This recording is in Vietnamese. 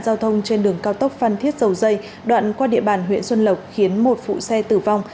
giao thông trên đường cao tốc phan thiết dầu dây đoạn qua địa bàn huyện xuân lộc khiến một phụ xe tử vong